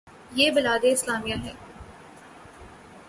یہ بلاد اسلامیہ ہیں۔